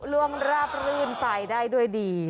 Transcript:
ล่วงราบรื่นไปได้ด้วยดี